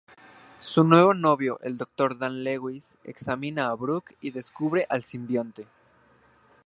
Su nuevo novio, el Dr. Dan Lewis, examina a Brock y descubre al simbionte.